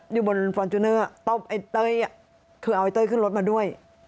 อยู่บนอ่ะต้มไอ้ต้ยคือเอาไอ้เต้ยขึ้นรถมาด้วย